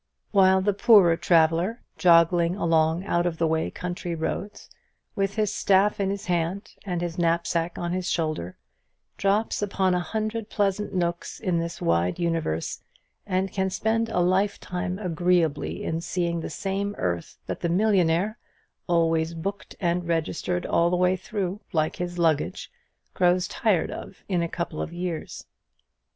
While the poorer traveller, jogging along out of the way country roads, with his staff in his hand, and his knapsack on his shoulder, drops upon a hundred pleasant nooks in this wide universe, and can spend a lifetime agreeably in seeing the same earth that the millionaire, always booked and registered all the way through, like his luggage, grows tired of in a couple of years.